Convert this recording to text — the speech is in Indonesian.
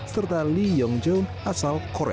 serta li yongjong asal korea